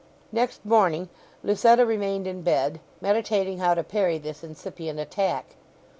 Next morning Lucetta remained in bed, meditating how to parry this incipient attack.